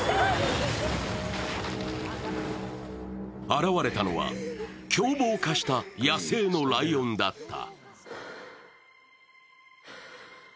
現れたのは狂暴化した野生のライオンだった。